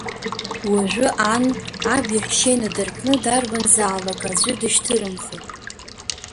Уажәы ан, аб иаҳәшьа инадыркны, дарбанзаалак аӡәы дышьҭырымхит.